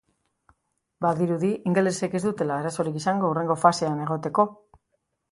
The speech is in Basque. Badirudi ingelesek ez dutela arazorik izango hurrengo fasean egoteko.